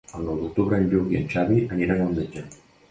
El nou d'octubre en Lluc i en Xavi aniran al metge.